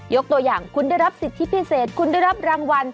ตัวอย่างคุณได้รับสิทธิพิเศษคุณได้รับรางวัล